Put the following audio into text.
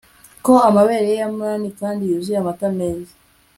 Ko amabere ye manini kandi yuzuye amata meza